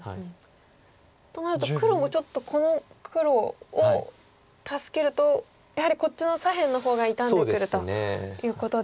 となると黒もちょっとこの黒を助けるとやはりこっちの左辺の方が傷んでくるということで。